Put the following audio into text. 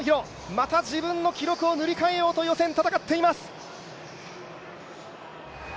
また自分の記録を塗り替えようと予選、戦っています。